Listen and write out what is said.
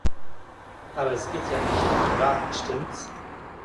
Aber es geht ja nicht um die Wahrheit, stimmts?